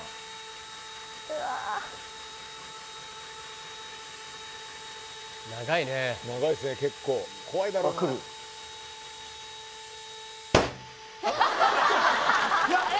うわっ長いね長いっすね結構怖いだろうなあっくるあれ？